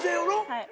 はい。